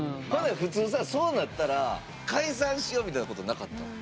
ほんなら普通さそうなったら「解散しよ」みたいなことなかった？